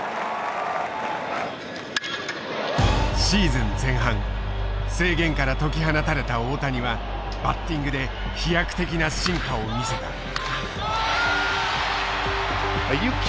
シーズン前半制限から解き放たれた大谷はバッティングで飛躍的な進化を見せた。